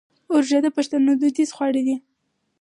ورږۀ د پښتنو دوديز خواړۀ دي